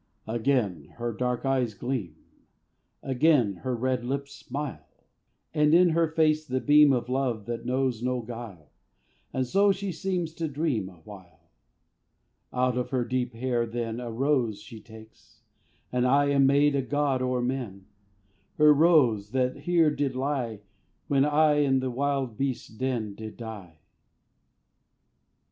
Again her dark eyes gleam; Again her red lips smile; And in her face the beam Of love that knows no guile; And so she seems to dream A while. Out of her deep hair then A rose she takes and I Am made a god o'er men! Her rose, that here did lie When I, in th' wild beasts' den, Did die.